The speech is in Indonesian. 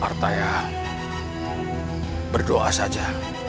artaya berdoa saja